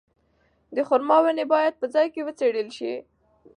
د خورما ونې باید په ځای کې وڅېړل شي.